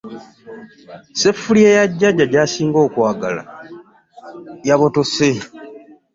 Sseffuliya ya jjajja gy'asinga okwagala yabotose.